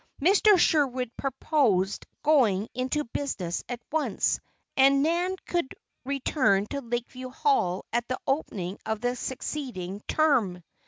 Mr. Sherwood purposed going into business at once, and Nan could return to Lakeview Hall at the opening of the succeeding term.